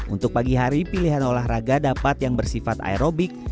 untuk pagi hari pilihan olahraga dapat yang bersifat aerobik